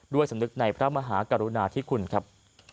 ด้วยสำนึกในพระมหากรุณาที่คุณครับ